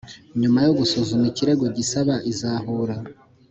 Nyuma yo gusuzuma ikirego gisaba izahura